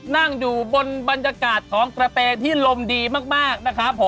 นั่งอยู่บนบรรยากาศของกระเตที่ลมดีมากนะครับผม